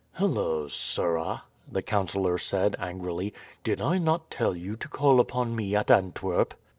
"Hullo, sirrah," the councillor said angrily, "did I not tell you to call upon me at Antwerp?"